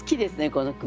この句。